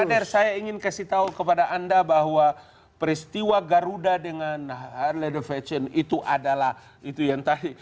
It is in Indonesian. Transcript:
kader saya ingin kasih tahu kepada anda bahwa peristiwa garuda dengan harley the fedsion itu adalah itu yang tadi